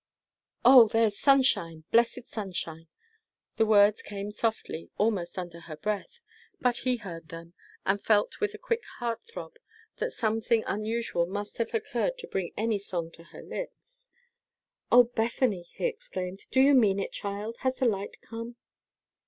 "O, there's sunshine, blessed sunshine!" The words came softly, almost under her breath; but he heard them, and felt with a quick heart throb that some thing unusual must have occurred to bring any song to her lips. "O Bethany!" he exclaimed, "do you mean it, child? Has the light come?"